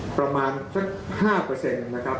ประมาณ๕เปอร์เซ็นต์นะครับ